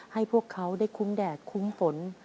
ให้พวกเขาได้คุ้มแดดคุ้มฝน